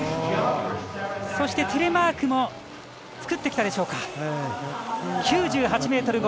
そして、テレマークも作ってきたでしょうか。